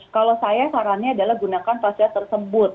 kalau saya sarannya adalah gunakan kualitas apa saja